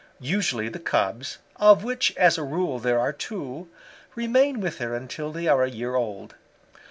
Usually the cubs, of which as a rule there are two, remain with her until they are a year old.